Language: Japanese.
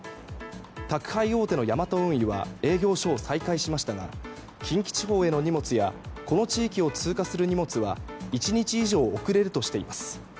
宅配大手のヤマト運輸は営業所を再開しましたが近畿地方への荷物やこの地域を通過する荷物は１日以上遅れるとしています。